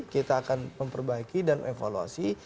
kita akan memperbaiki dan mengevaluasi